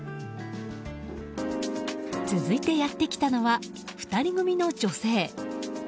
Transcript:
続いてやってきたのは２人組の女性。